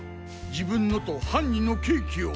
自分のと犯人のケーキを！